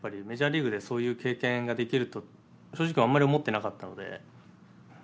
メジャーリーグでそういう経験ができると正直あんまり思ってなかったので。